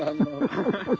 ハハハハ。